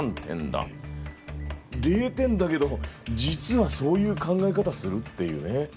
０点だけど実はそういう考え方するっていうね。